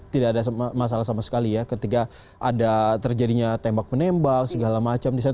tidak ada masalah sama sekali ya ketika ada terjadinya tembak menembak segala macam di sana